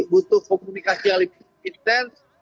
butuh komunikasi yang lebih intens